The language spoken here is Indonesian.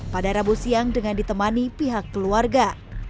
pada rabu siang dengan ditemani pihak keluarga